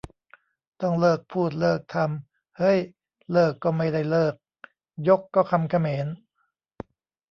ต้องเลิกพูดเลิกทำ เฮ้ย เลิกก็ไม่ได้ 'เลิก' ยก ก็คำเขมร !